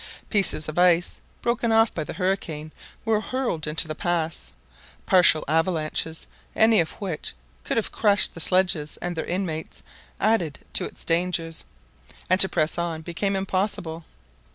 Pieces of ice, broken off by the hurricane, were hurled into the pass; partial avalanches, any one of which could have crushed the sledges and their inmates, added to its dangers, and to press on became impossible.